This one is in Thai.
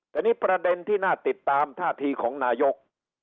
แต่นี่ประเด็นที่น่าติดตามท่าทีของนายก